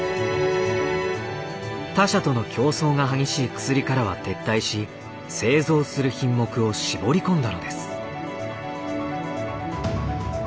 他社との競争が激しい薬からは撤退し製造する品目を絞り込んだのです。